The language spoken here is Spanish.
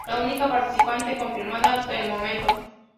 La única participante confirmada hasta el momento.